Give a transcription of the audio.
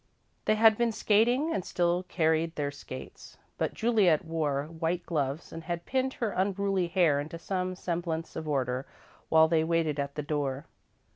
They had been skating and still carried their skates, but Juliet wore white gloves and had pinned her unruly hair into some semblance of order while they waited at the door.